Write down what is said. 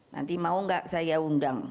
nanti mau nggak saya undang